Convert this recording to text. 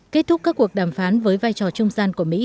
kết thúc các cuộc đàm phán với vai trò trung gian của mỹ